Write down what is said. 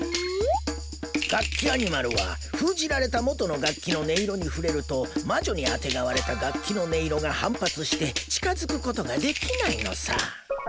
ガッキアニマルは封じられた元の楽器の音色に触れると魔女にあてがわれた楽器の音色が反発して近づく事ができないのさ。